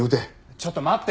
ちょっと待って！